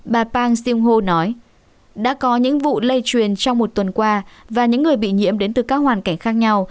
bà pang sinh ho nói đã có những vụ lây truyền trong một tuần qua và những người bị nhiễm đến từ các hoàn cảnh khác nhau